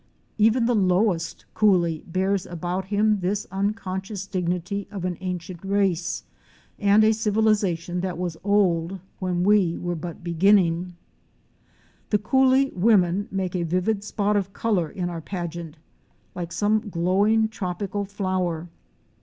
Even the lowest coolie bears about him this unconscious dig nity of an ancient race and a civilization that was old when we were but beginning. Fic. 59. Coote WomMaAN AND NEGRESS. The coolie women make a vivid spot of color in our pageant — like some glowing tropical flower.